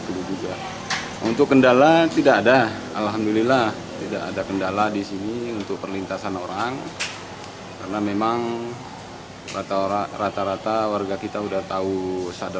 pembangunan di aruk terletak di kecamatan sanjingan besar perbatasan langsung dengan sarawak malaysia